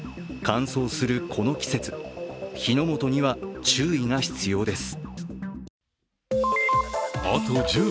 乾燥するこの季節、火の元には注意が必要です。